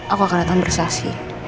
aku akan datang bersaksi